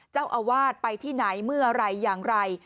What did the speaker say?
เจ้าอาวาสไปที่ไหนเมื่อไหร่อย่างไร